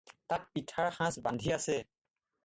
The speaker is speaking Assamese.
তাত পিঠাৰ সাঁচ বান্ধি আছে।